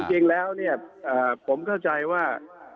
จริงแล้วเนี่ยผมเข้าใจว่า